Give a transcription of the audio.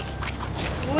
aku pengen tau tau